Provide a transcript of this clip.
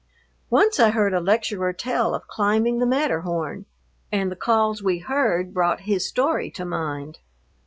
Once I heard a lecturer tell of climbing the Matterhorn and the calls we heard brought his story to mind.